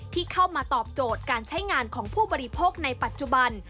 ที่เข้ามาตอบโจทย์การใช้งานของผู้บริโภคในปัจจุบัน